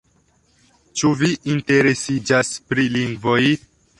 Ĉu vi interesiĝas pri lingvoj?